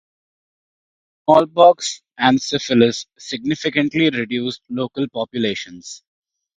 Smallpox and syphilis significantly reduced local populations.